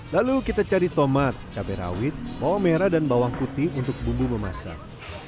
lalu kita cari tomat cabai rawit bawang merah dan bawang putih untuk bumbu memasak